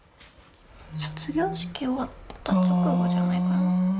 卒業式終わった直後じゃないかな。